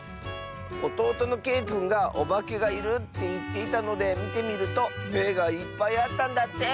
おとうとのけいくんがおばけがいるっていっていたのでみてみるとめがいっぱいあったんだって！